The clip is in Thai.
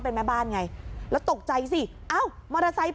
แล้วคุณป้าบอกรถคันเนี้ยเป็นรถคู่ใจเลยนะใช้มานานแล้วในการทำมาหากิน